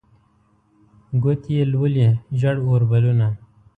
ګوتې یې لولي ژړ اوربلونه